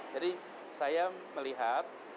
jadi saya melihat